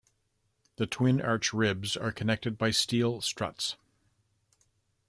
The twin arch ribs are connected by steel struts.